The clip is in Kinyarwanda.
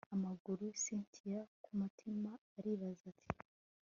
amaguru cyntia kumutima aribaza ati